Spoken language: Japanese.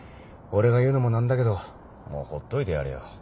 俺が言うのも何だけどもうほっといてやれよ。